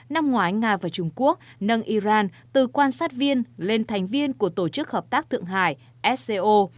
năm ngoái nga và trung quốc nâng iran từ quan sát viên lên thành viên của tổ chức hợp tác thượng hải sco